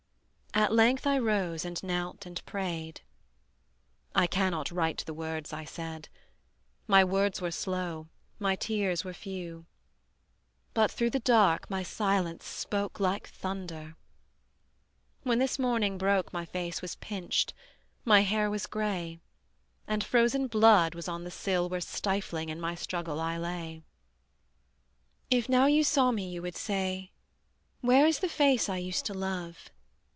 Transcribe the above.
At length I rose and knelt and prayed: I cannot write the words I said, My words were slow, my tears were few; But through the dark my silence spoke Like thunder. When this morning broke, My face was pinched, my hair was gray, And frozen blood was on the sill Where stifling in my struggle I lay. If now you saw me you would say: Where is the face I used to love?